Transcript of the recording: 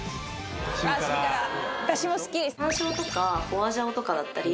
私も好き山椒とか花椒とかだったり